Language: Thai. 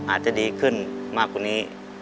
อาจจะดีขึ้นมากกว่านี้